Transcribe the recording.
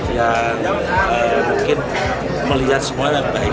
ya mungkin melihat semuanya baik